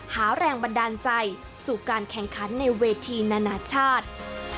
หาแรงบันดาลใจสู่การแข่งขันในเวทีนานาชาติ